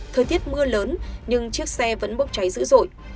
thời tiết mưa lớn nhưng chiếc xe vẫn bốc cháy dữ dội